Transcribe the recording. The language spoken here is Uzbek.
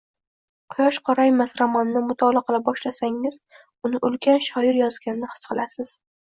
Quyosh qoraymas romanini mutolaa qila boshlasangiz, uni ulkan shoir yozganini his qilasiz